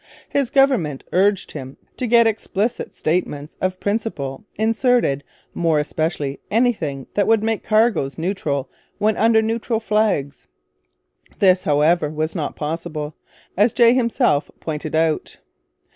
His government urged him to get explicit statements of principle inserted, more especially anything that would make cargoes neutral when under neutral flags. This, however, was not possible, as Jay himself pointed out.